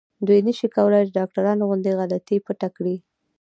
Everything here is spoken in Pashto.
دوی نشي کولای د ډاکټرانو غوندې غلطي پټه کړي.